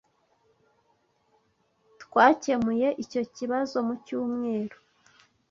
Twakemuye icyo kibazo mu cyumweru.